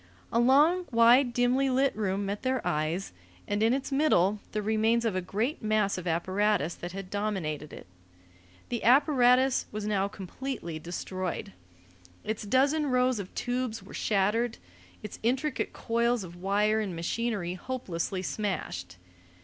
A long, wide, dimly lit room met their eyes, and in its middle the remains of a great mass of apparatus that had dominated it. The apparatus was now completely destroyed. Its dozen rows of tubes were shattered, its intricate coils of wire and machinery hopelessly smashed.